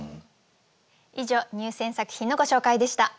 以上入選作品のご紹介でした。